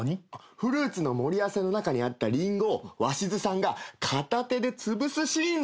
フルーツの盛り合わせの中にあったリンゴを鷲津さんが片手でつぶすシーンですよ。